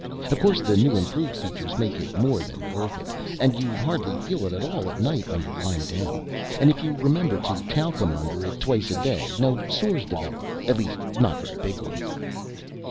"Of course the new improved features make it more than worth it ... and you hardly feel it at all at night when you're lying down ... and if you remember to talcum under it twice a day, no sores develop ... at least not very big ones...."